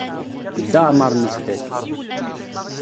Dda Amer Mezdad